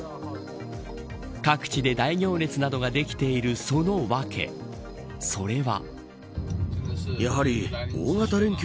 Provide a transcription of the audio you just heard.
各地で大行列などができているそのわけそれは。